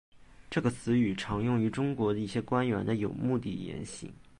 这个词语常用于中国一些官员的有目的言行。